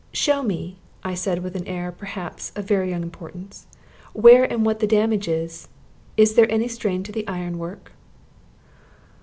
"Show me," I said, with an air, perhaps, of very young importance, "where and what the damage is. Is there any strain to the iron work?"